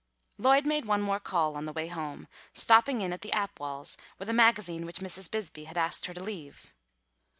Lloyd made one more call on the way home, stopping in at the Apwalls' with a magazine which Mrs. Bisbee had asked her to leave.